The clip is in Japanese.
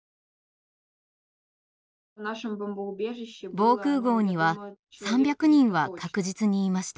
防空壕には３００人は確実にいました。